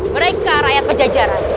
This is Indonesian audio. mereka rakyat pejajaran